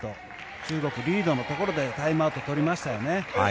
中国リードのところでタイムアウトを取りましたよね。